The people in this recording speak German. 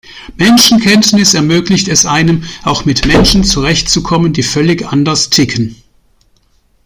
Menschenkenntnis ermöglicht es einem, auch mit Menschen zurecht zu kommen, die völlig anders ticken.